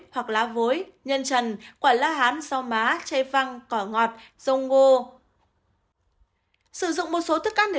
hoặc lá vối nhân trần quả lá hán rau má chay văng cỏ ngọt rau ngô sử dụng một số thức ăn để